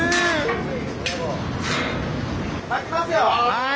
はい！